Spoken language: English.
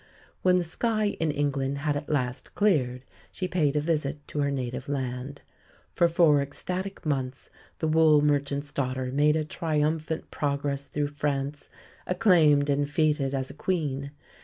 When the sky in England had at last cleared she paid a visit to her native land. For four ecstatic months the wool merchant's daughter made a triumphant progress through France, acclaimed and fêted as a Queen.